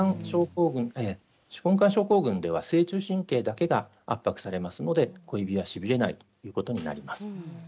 手根管症候群では正中神経だけが圧迫されますので小指はしびれないことになります。